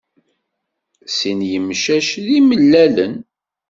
Sin n yimcac d imellalen.